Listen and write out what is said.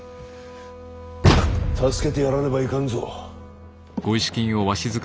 助けてやらねばいかんぞ。